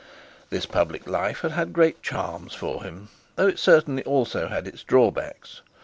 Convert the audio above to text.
This public life had great charms for him, though it certainly also had its drawbacks.